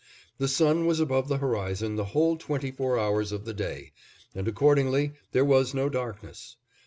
The sun was above the horizon the whole twenty four hours of the day, and accordingly there was no darkness.